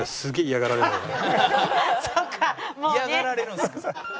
嫌がられるんですね。